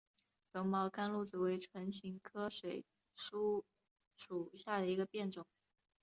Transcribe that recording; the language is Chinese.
软毛甘露子为唇形科水苏属下的一个变种。